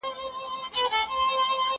زه اوږده وخت د تکړښت لپاره ځم؟